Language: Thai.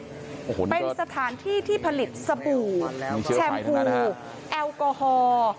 โอ้โหเป็นสถานที่ที่ผลิตสบู่แชมพูแอลกอฮอล์